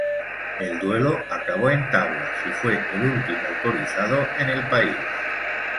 El duelo acabó en tablas, y fue el último autorizado en el país.